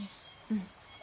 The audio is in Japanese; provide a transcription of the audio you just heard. うん。